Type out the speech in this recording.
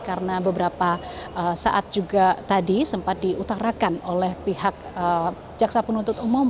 karena beberapa saat juga tadi sempat diutarakan oleh pihak jaksa penuntut umum